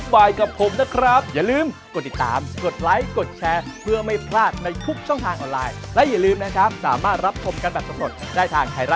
โปรดติดตามตอนต่อไป